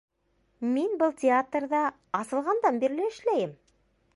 Мин был театрҙа асылғандан бирле эшләйем!